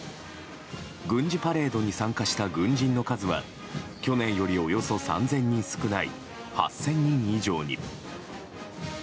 軍事パレードに参加した軍人の数は去年よりおよそ３０００人少ない８０００人以上に。